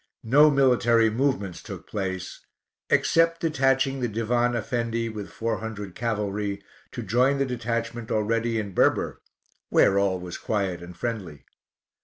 No military movements took place, except detaching the Divan Effendi with four hundred cavalry, to join the detachment already in Berber, where all was quiet and friendly.